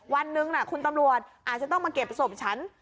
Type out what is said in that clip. วันหนึ่งคุณตำรวจอาจจะต้องมาเก็บศพฉัน